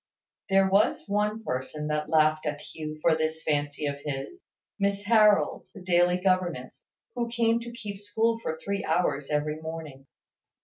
There was one person that laughed at Hugh for this fancy of his; Miss Harold, the daily governess, who came to keep school for three hours every morning.